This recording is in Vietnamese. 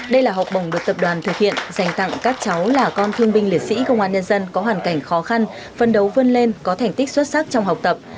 đây là học bổng được tập đoàn thực hiện dành tặng các cháu là con thương binh liệt sĩ công an nhân dân có hoàn cảnh khó khăn phân đấu vươn lên có thành tích xuất sắc trong học tập